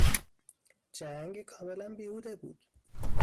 جنگ کاملا بیهوده بود.